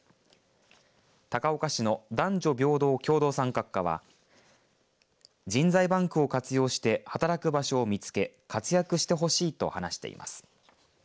高岡市の男女平等・共同参画課は人材バンクを活用して働く場所を見つけ活躍してほしいと話しています。